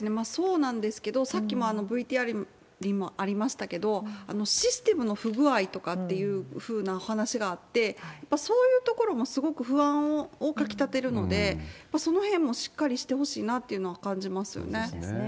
そうなんですけど、さっきもＶＴＲにもありましたけれども、システムの不具合とかっていうふうなお話があって、やっぱりそういうところもすごく不安をかきたてるので、そのへんもしっかりしてほしいなというのも感じますよね。